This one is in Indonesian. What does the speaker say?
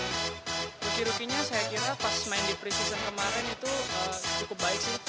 ruki rukinya saya kira pas main di preseason kemarin itu cukup baik sih